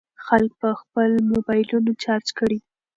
خلک به خپل موبایلونه چارج کړي.